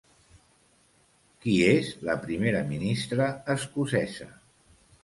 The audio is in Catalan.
Qui és la primera ministra escocesa?